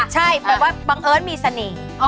ใช่แบบว่าบางเอิ้นมีสนิน